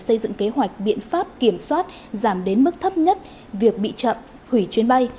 xây dựng kế hoạch biện pháp kiểm soát giảm đến mức thấp nhất việc bị chậm hủy chuyến bay